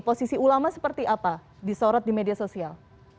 posisi ulama seperti apa disorot di media sosial